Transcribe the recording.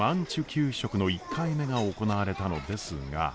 給食の１回目が行われたのですが。